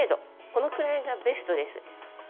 このくらいがベストです。